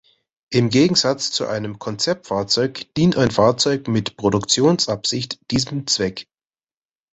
Im Gegensatz zu einem Konzeptfahrzeug dient ein Fahrzeug mit „Produktionsabsicht“ diesem Zweck.